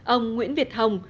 ông nguyễn việt hồng